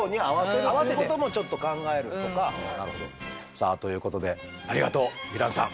さあということでありがとうヴィランさん。